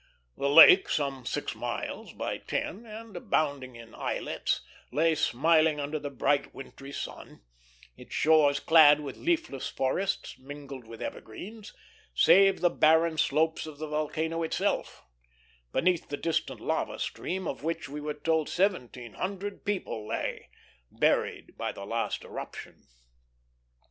The lake, some six miles by ten, and abounding in islets, lay smiling under the bright, wintry sun, its shores clad with leafless forests mingled with evergreens, save the barren slopes of the volcano itself; beneath the distant lava stream of which we were told seventeen hundred people lay, buried by the last eruption.